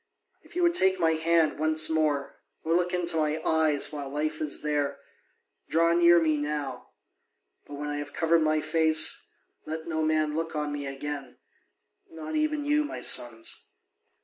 If you would take my hand once more, or look into my eyes while life is there, draw near me now; but when I have covered my face, let no man look on me again, not even you, my sons.